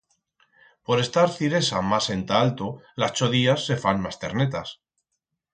Por estar Ciresa mas enta alto, las chodías se fan mas ternetas.